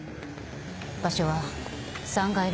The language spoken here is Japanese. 場所は３階の。